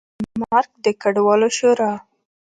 د ډنمارک د کډوالو شورا